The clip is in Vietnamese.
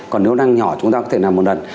còn nếu nang nhỏ chúng ta có thể nằm một lần